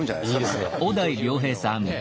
いいですね。